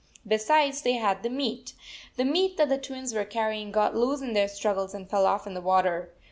Besides, they had the meat. The meat that the Twins were carry ing got loose in their struggles and fell off in the water.